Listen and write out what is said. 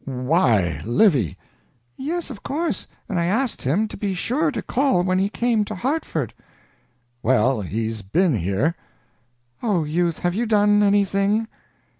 Why, Livy!" "Yes, of course; and I asked him to be sure to call when he came to Hartford." "Well, he's been here." "Oh Youth, have you done anything?"